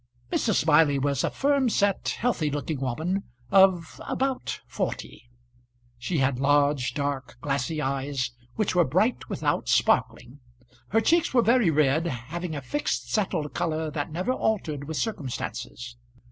Mrs. Smiley was a firm set, healthy looking woman of about forty. She had large, dark, glassy eyes, which were bright without sparkling. Her cheeks were very red, having a fixed settled colour that never altered with circumstances.